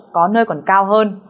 có nơi còn cao hơn